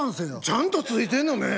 ちゃんと付いてんのね。